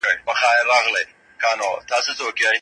که د حق په لاره کي قرباني ورکړي تلپاتی ژوند به ومومې.